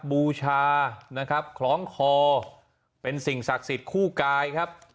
บูชานะครับคล้องคอเป็นสิ่งศักดิ์สิทธิ์คู่กายครับ